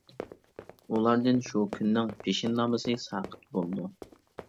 ئۇلاردىن شۇ كۈننىڭ پېشىن نامىزى ساقىت بولىدۇ.